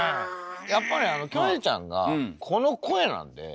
やっぱりあのキョエちゃんがこの声なんで。